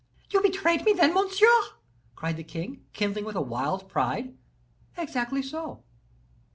"You betrayed me, then, monsieur?" cried the king, kindling with a wild pride. "Exactly so."